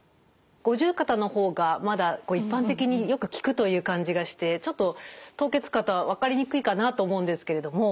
五十肩の方がまだこう一般的によく聞くという感じがしてちょっと凍結肩は分かりにくいかなと思うんですけれども。